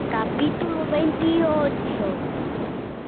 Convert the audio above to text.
capítulo veintiocho.